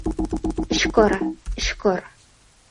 — Shukur, shukur?